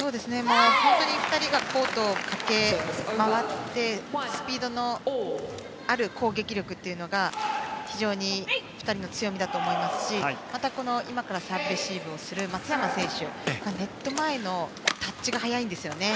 本当に２人がコートを駆け回ってスピードのある攻撃力というのが非常に２人の強みだと思いますしまた、今サーブレシーブをした松山選手がネット前のタッチが早いんですよね。